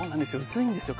薄いんですよ